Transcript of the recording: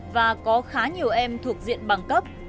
và có khá nhiều em thuộc diện bằng cấp